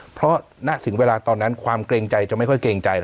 เพราะณถึงเวลาตอนนั้นความเกรงใจจะไม่ค่อยเกรงใจ